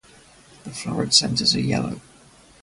The floret centres are yellow.